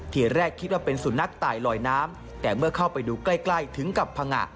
ทีแรกคิดว่าเป็นสุนัขตายลอยน้ำแต่เมื่อเข้าไปดูใกล้ใกล้ถึงกับพังงะ